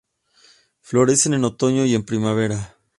Florecen en Otoño y en Primavera.